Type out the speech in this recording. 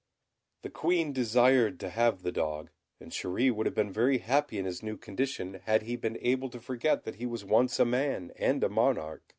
The Queen desired to have the dog; and Chéri would have been very happy in his new condition had he been able to forget that he was once a man and a monarch.